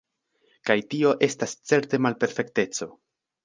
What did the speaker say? Kaj tio estas certe malperfekteco.